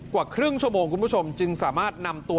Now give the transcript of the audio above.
กว่าครึ่งชั่วโมงคุณผู้ชมจึงสามารถนำตัว